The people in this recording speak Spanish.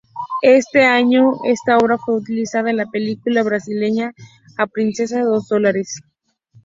Ese año, esta obra fue utilizada en la película brasileña "A princesa dos dólares".